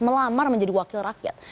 melamar menjadi wakil rakyat